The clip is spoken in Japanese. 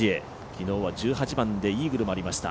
昨日は１８番でイーグルもありました。